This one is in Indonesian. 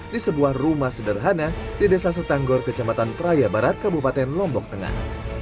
di sebuah rumah sederhana di desa setanggor kecamatan praia barat kabupaten lombok tengah